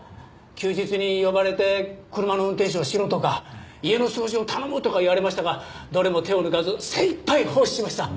休日に呼ばれて車の運転手をしろとか家の掃除を頼むとか言われましたがどれも手を抜かず精いっぱい奉仕しました！